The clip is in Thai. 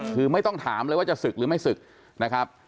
คือไม่ต้องถามเลยว่าจะศึกหรือไม่ศึกนะครับ